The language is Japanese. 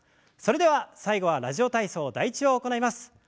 それでは最後は「ラジオ体操第１」を行います。